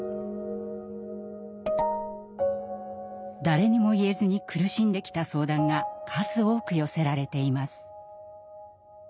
誰にも言えずに苦しんできた相談が数多く寄せられています。